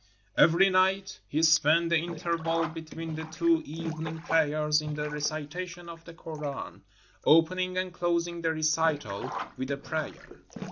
Every night he spent the interval between the two evening prayers in the recitation of the Koran, opening and closing the recital with a prayer.